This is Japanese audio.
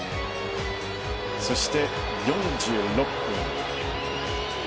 そして、４６分。